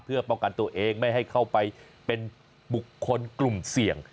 เพื่อป้องกันตัวเองไม่ให้เข้าไปเป็นบุคคลกลุ่มเสี่ยง